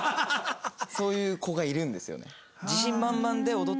そういう子がいるんですよね。